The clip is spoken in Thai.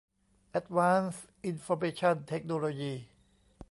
แอ็ดวานซ์อินฟอร์เมชั่นเทคโนโลยี